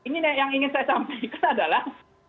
ini yang ingin saya sampaikan adalah